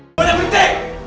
kamu tengah beriti